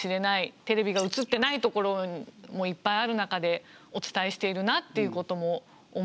テレビが映ってないところもいっぱいある中でお伝えしているなっていうことも思いながら。